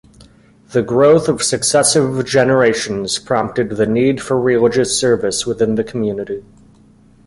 The growth of successive generations prompted the need for religious service within the community.